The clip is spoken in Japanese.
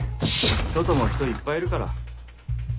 外も人いっぱいいるから。